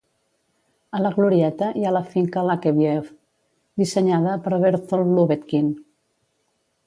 A la glorieta hi ha la finca Lakeview, dissenyada per Berthold Lubetkin.